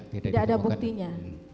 tidak ada buktinya